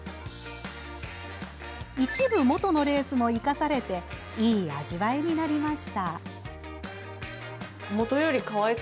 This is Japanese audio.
一部、元のレースも生かされていい味わいになっています。